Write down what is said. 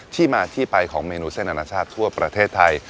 ที่มาที่ไปของเมนูเส้นอนาชาติทั่วประเทศไทย